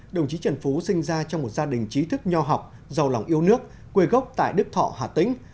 đồng chí trần phú sinh ra trong một gia đình trí thức nho học giàu lòng yêu nước quê gốc tại đức thọ hà tĩnh